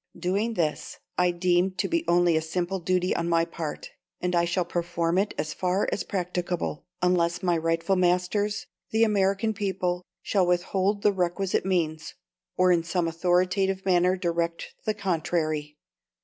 Doing this I deem to be only a simple duty on my part; and I shall perform it as far as practicable, unless my rightful masters, the American people, shall withhold the requisite means, or in some authoritative manner direct the contrary."